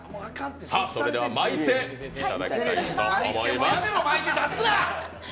それでは、まいていただきたいと思います。